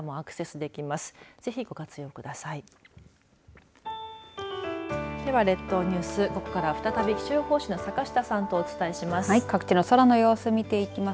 では列島ニュース、ここからは再び気象予報士の坂下さんとお伝えします。